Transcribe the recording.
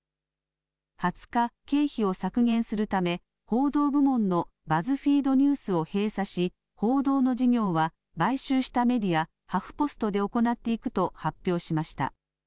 ２０日、経費を削減するため報道部門のバズフィード・ニュースを閉鎖し報道の事業は買収したメディア、ハフポストで行っていくと発表しました。